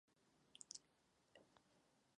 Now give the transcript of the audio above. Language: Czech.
Vypadá to, že vy sám ji téměř podporujete.